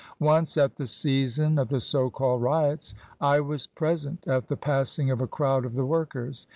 Once, at the season of the so called riots, I was present at the passing of a crowd of the workers.